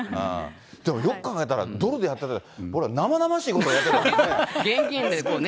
でもよく考えたら、ドルでやってて、生々しいことやってたんです現金で、こうね。